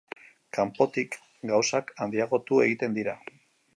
Kanpotik gauzak handiagotu egiten dira.